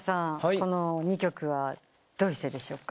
この２曲はどうしてでしょうか？